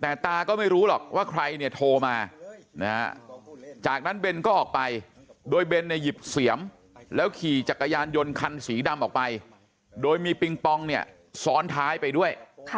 แต่ตาก็ไม่รู้หรอกว่าใครเนี่ยโทรมานะฮะจากนั้นเบนก็ออกไปโดยเบนเนี่ยหยิบเสียมแล้วขี่จักรยานยนต์คันสีดำออกไปโดยมีปิงปองเนี่ยซ้อนท้ายไปด้วย